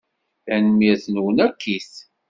Tanemmirt-nwen akkit.